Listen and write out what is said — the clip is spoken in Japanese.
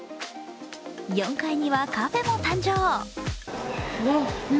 ４階にはカフェも誕生。